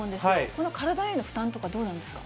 この体への負担とか、どうなんですか。